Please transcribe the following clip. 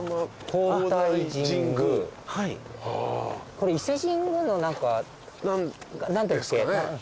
これ伊勢神宮の何か何だっけ？